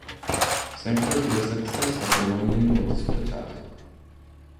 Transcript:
Central to the success of the Merlin was the supercharger.